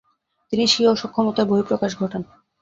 তিনি স্বীয় সক্ষমতার বহিঃপ্রকাশ ঘটান।